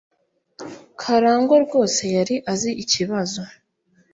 karangwa rwose yari azi ikibazo